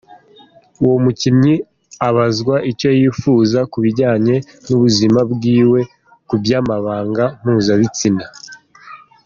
Uwo mukinyi abazwa ico yipfuza ku bijanye n'ubuzima bwiwe ku vy'amabanga mpuzabitsina.